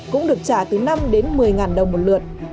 cũng được trả từ năm đến một mươi ngàn đồng một lượt